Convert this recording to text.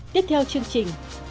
tiếp theo chương trình